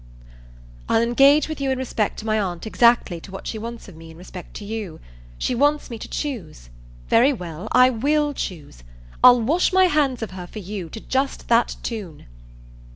"I'll engage with you in respect to my aunt exactly to what she wants of me in respect to you. She wants me to choose. Very well, I WILL choose. I'll wash my hands of her for you to just that tune."